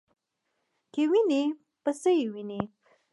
کې وینې په څه یې وینې ؟